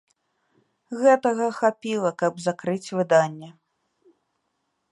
Гэтага хапіла, каб закрыць выданне.